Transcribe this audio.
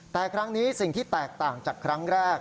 แต่ครั้งนี้สิ่งที่แตกต่างจากครั้งแรก